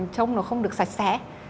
trông nó không được sạch sẽ